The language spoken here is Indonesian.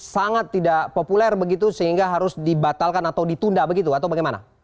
sangat tidak populer begitu sehingga harus dibatalkan atau ditunda begitu atau bagaimana